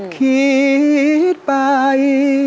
คิดไป